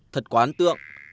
thật quá án tượng